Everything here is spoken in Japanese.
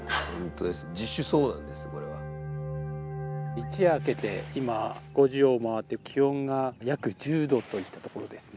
一夜明けて今５時を回って気温が約１０度といったところですね。